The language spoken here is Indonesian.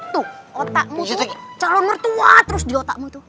tuh otakmu tuh calon mertua terus di otakmu tuh